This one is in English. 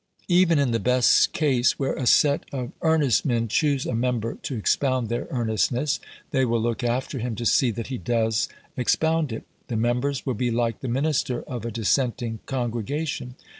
Even in the best case, where a set of earnest men choose a member to expound their earnestness, they will look after him to see that he does expound it. The members will be like the minister of a dissenting congregation.